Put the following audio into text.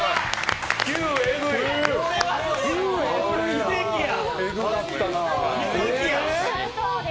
奇跡や。